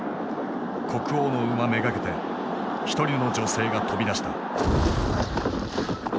国王の馬目がけて１人の女性が飛び出した。